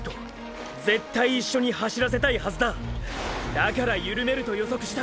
だからゆるめると予測した！！